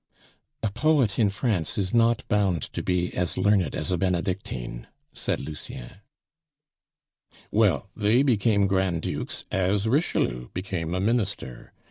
"A poet in France is not bound to be 'as learned as a Benedictine,'" said Lucien. "Well, they became Grand Dukes as Richelieu became a minister.